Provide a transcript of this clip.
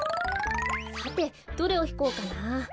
さてどれをひこうかな。